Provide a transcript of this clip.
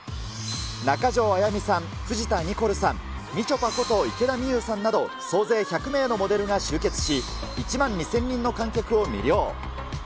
中条あやみさん、藤田ニコルさん、みちょぱこと池田美優さんなど、総勢１００名のモデルが集結し、１万２０００人の観客を魅了。